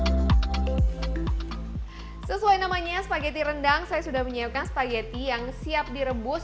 hai sesuai namanya spaghetti rendang saya sudah menyediakan spageti yang siap direbus